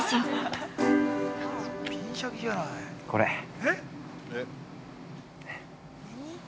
これ。